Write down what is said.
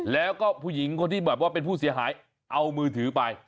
แล้วก็ผู้หญิงคนที่แบบว่าเป็นผู้เสียหายเอามือถือไป